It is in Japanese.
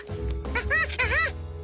ハハハハ。